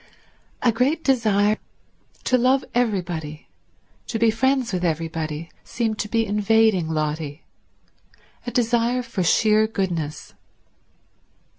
A great desire to love and be friends, to love everybody, to be friends with everybody, seemed to be invading Lotty—a desire for sheer goodness.